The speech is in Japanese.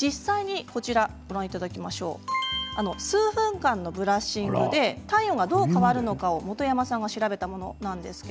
実際に、数分間のブラッシングで体温がどう変わったのか本山さんが調べたものです。